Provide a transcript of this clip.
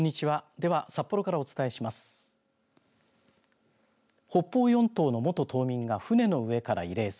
では札幌からお伝えします。